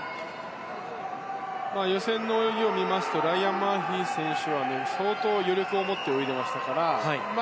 予選の泳ぎを見ますとライアン・マーフィー選手は相当、余力を持って泳いでいましたから。